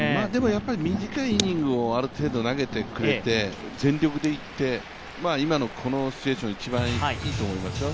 やっぱり短いイニングをある程度投げてくれて全力でいって、今のこのシチュエーションが一番いいと思いますよ。